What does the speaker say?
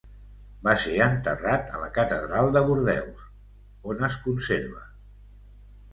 Va ser enterrat a la Catedral de Bordeus, on es conserva.